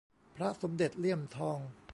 พระสมเด็จเลี่ยมทอง